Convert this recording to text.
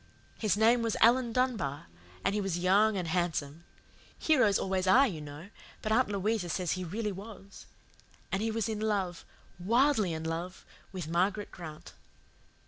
His name was Alan Dunbar, and he was young and handsome. Heroes always are, you know, but Aunt Louisa says he really was. And he was in love wildly in love, with Margaret Grant.